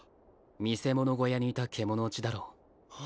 見世物小屋にいた獣堕ちだろう